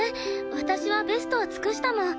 私はベストを尽くしたもん。